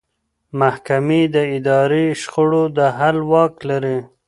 محکمې د اداري شخړو د حل واک لري.